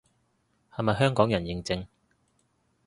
係咪香港人認證